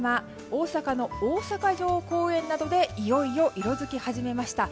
大阪の大阪城公園などでいよいよ色づき始めました。